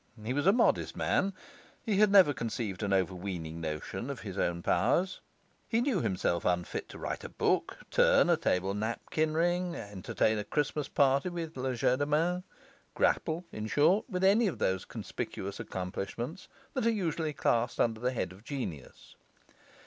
He was a modest man; he had never conceived an overweening notion of his own powers; he knew himself unfit to write a book, turn a table napkin ring, entertain a Christmas party with legerdemain grapple (in short) any of those conspicuous accomplishments that are usually classed under the head of genius.